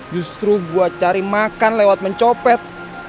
justru buat cari makan lewat mencopet